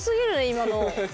今の。